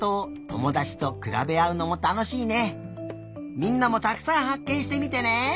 みんなもたくさんはっけんしてみてね！